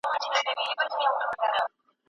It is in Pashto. هغه سوداګر چې په بازار کې بریالي دي، ډېر زیار ګالي.